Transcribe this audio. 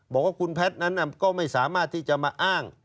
บอกว่าคุณแพทย์นั้นก็ไม่สามารถที่จะมาอ้าง